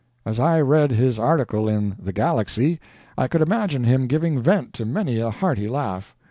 As I read his article in The Galaxy, I could imagine him giving vent to many a hearty laugh.